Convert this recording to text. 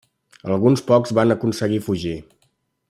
Alguns pocs van aconseguir fugir.